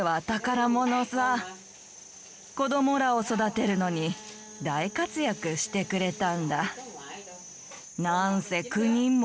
子供らを育てるのに大活躍してくれたんだ。